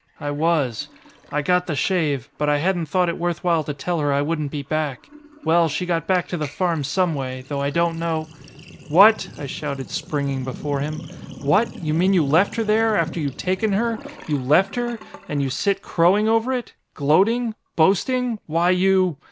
I was. I got the shave. But I hadn't thought it worth while to tell her I wouldn't be back. Well, she got back to the farm some way, though I don't know ""What!" I shouted, springing before him. "What! You mean you left her there! After you'd taken her, you left her! And here you sit crowing over it! Gloating! Boasting! Why you